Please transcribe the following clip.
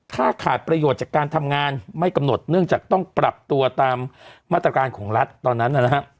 ขาดประโยชน์จากการทำงานไม่กำหนดเนื่องจากต้องปรับตัวตามมาตรการของรัฐตอนนั้นนะฮะ